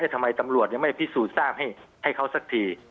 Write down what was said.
ทำไมตำรวจยังไม่พิสูจน์ทราบให้เขาสักที